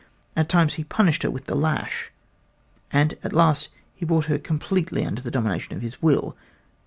At times he punished her with the lash and at last he brought her completely under the domination of his will.